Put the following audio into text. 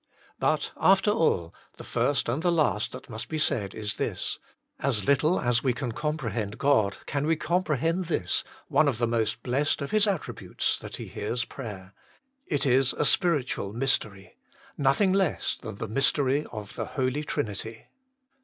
But, after all, the first and the last that must be said is this : As little as we can compre hend God can we comprehend this, one of the most blessed of His attributes, that He hears prayer. It is a spiritual mystery nothing less than the mystery of the Holy Trinity.